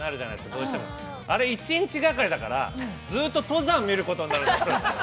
俺、１日がかりだから、ずっと登山を見ることになるんだ。